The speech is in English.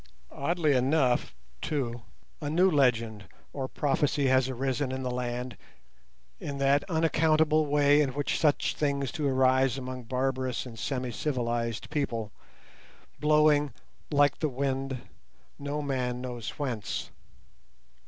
Oddly enough, too, a new legend or prophecy has arisen in the land in that unaccountable way in which such things do arise among barbarous and semi civilized people, blowing, like the wind, no man knows whence.